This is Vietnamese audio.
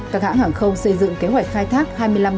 các hãng hàng không xây dựng kế hoạch khai thác